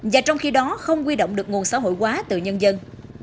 và trong khi đó không quy động được nguồn xã hội hóa từ nhân dân